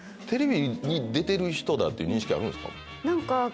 テレビに出てる人だっていう認識あるんですか？